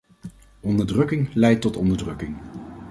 Onderdrukking leidt tot onderdrukking.